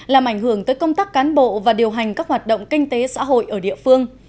làm ảnh hưởng tới công tác cán bộ và điều hành các hoạt động kinh tế xã hội ở địa phương